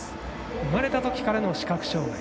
生まれたときからの視覚障がい。